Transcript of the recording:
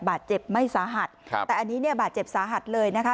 บาดเจ็บไม่สาหัสครับแต่อันนี้เนี่ยบาดเจ็บสาหัสเลยนะคะ